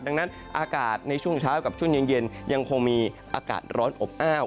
ดังนั้นอากาศในช่วงเช้ากับช่วงเย็นยังคงมีอากาศร้อนอบอ้าว